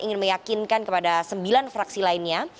ingin meyakinkan kepada sembilan fraksi lainnya